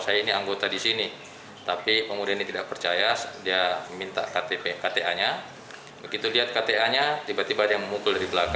saya ini anggota disini tapi pemuda ini tidak percaya dia minta ktp ktanya begitu